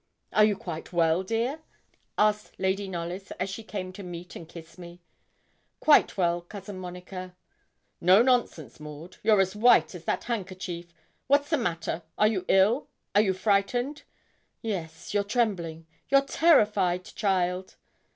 'Are you quite well, dear?' asked Lady Knollys, as she came to meet and kiss me. 'Quite well, Cousin Monica.' 'No nonsense, Maud! you're as white as that handkerchief what's the matter? Are you ill are you frightened? Yes, you're trembling you're terrified, child.'